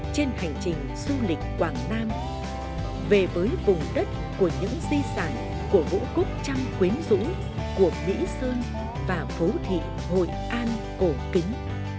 trên hành trình du lịch quảng nam về với vùng đất của những di sản của vũ cúc trăm quyến rũ của mỹ sơn và phố thị hội an cổ kính